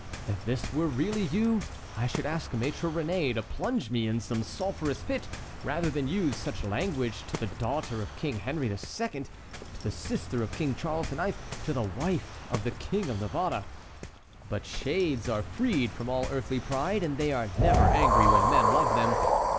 If this were really you, I should ask Maître Réné to plunge me in some sulphurous pit rather than use such language to the daughter of King Henry II., to the sister of King Charles IX., to the wife of the King of Navarre. But shades are freed from all earthly pride and they are never angry when men love them.